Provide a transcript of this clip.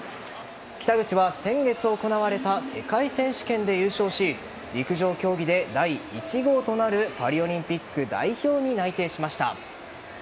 北口は先月行われた世界選手権で優勝し陸上競技で第１号となるパリオリンピック代表に内定しました。